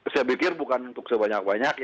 saya pikir bukan untuk sebanyak banyak